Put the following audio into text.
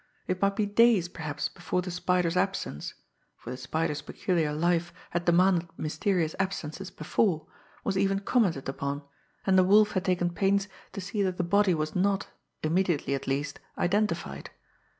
It might be days perhaps before the Spider's absence for the Spider's peculiar life had demanded mysterious absences before was even commented upon, and the Wolf had taken pains to see that the body was not, immediately at least, identified.